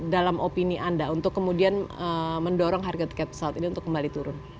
dalam opini anda untuk kemudian mendorong harga tiket pesawat ini untuk kembali turun